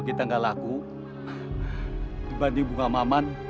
kita taruh di tempat mamam